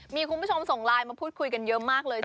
มีคุณผู้ชมส่งไลน์มาพูดคุยกันเยอะมากเลยนะ